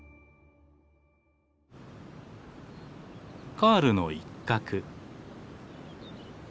カールの一角。